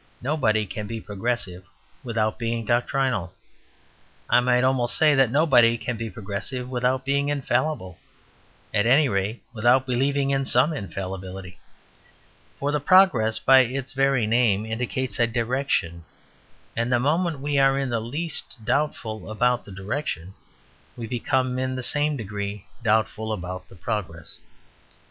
Nobody can be progressive without being doctrinal; I might almost say that nobody can be progressive without being infallible at any rate, without believing in some infallibility. For progress by its very name indicates a direction; and the moment we are in the least doubtful about the direction, we become in the same degree doubtful about the progress.